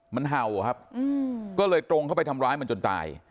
มันเห่าอะครับก็เลยตรงเข้าไปทำร้ายมันจนตาย